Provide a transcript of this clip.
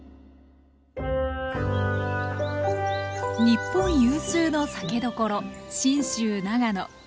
日本有数の酒どころ信州長野。